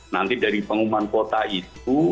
nanti dari pengumuman kuota itu